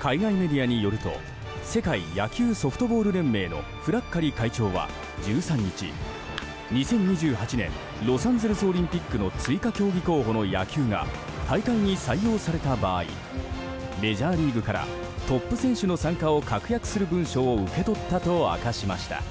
海外メディアによると世界野球ソフトボール連盟のフラッカリ会長は１３日２０２８年ロサンゼルスオリンピックの追加競技候補の野球が大会に採用された場合メジャーリーグからトップ選手の参加を確約する文書を受け取ったと明かしました。